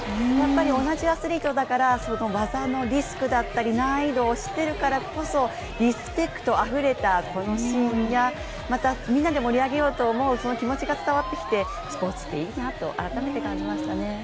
やっぱり同じアスリートだから技のリスクだったり難易度を知っているからこそリスペクトあふれたこのシーンや、また、みんなで盛り上げようと思う、その気持ちが伝わってきてスポーツっていいなと改めて感じましたね。